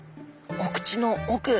お口の奥